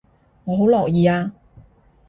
我好樂意啊